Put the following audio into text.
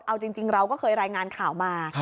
เอาจริงเราก็เคยรายงานข่าวมา